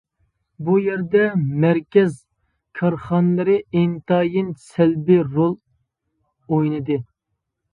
بۇ يەردە مەركەز كارخانىلىرى ئىنتايىن سەلبىي رول ئوينىدى.